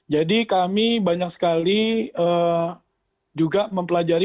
jadi kami banyak sekali juga mempelajari